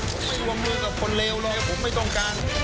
ไม่ว่ามือกับคนเลวหรอกผมไม่ต้องการ